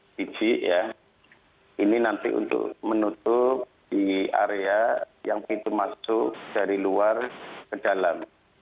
biji ya ini nanti untuk menutup di area yang pintu masuk dari luar ke dalam